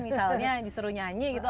makanya disuruh nyanyi gitu